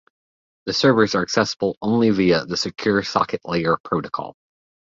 The servers are accessible only via the Secure Socket Layer protocol.